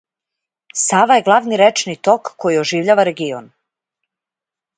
Сава је главни речни ток који оживљава регион.